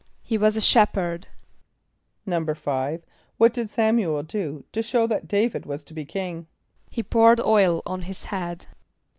=He was a shepherd.= =5.= What did S[)a]m´u el do, to show that D[=a]´vid was to be king? =He poured oil on his head.